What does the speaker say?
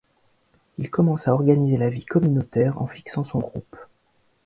Il commence à organiser la vie communautaire en fixant son groupe.